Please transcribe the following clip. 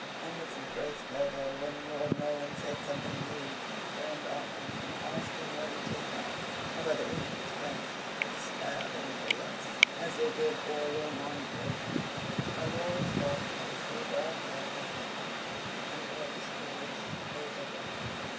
And Mrs. Bracegirdle, when my Lord Mohun said something rude, turned on him, and asked him what he did there, and whether he and his friends had come to stab anybody else, as they did poor Will Mountford? My lord's dark face grew darker at this taunt, and wore a mischievous, fatal look.